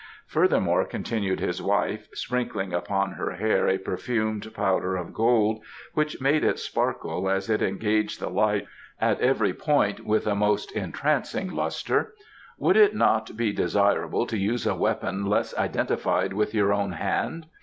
"Furthermore," continued his wife, sprinkling upon her hair a perfumed powder of gold which made it sparkle as it engaged the light at every point with a most entrancing lustre, "would it not be desirable to use a weapon less identified with your own hand?